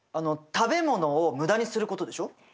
食べ物を無駄にすることでしょ。